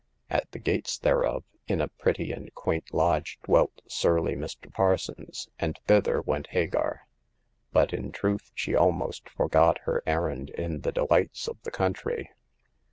At the gates thereof, in a pretty and quaint lodge, dwelt surly Mr. Parsons, and thither went Hagar ; but in truth she almost forgot her errand in the delights of the country.